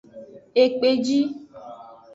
Ekpeji.